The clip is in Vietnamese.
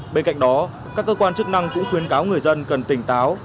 bên cạnh đó các cơ quan chức năng cũng khuyến cáo người dân cần tỉnh táo